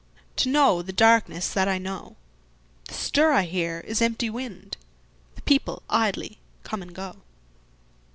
To know the darkness that I know. The stir I hear is empty wind, The people idly come and go.